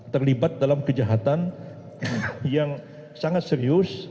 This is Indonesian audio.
terlibat dalam kejahatan yang sangat serius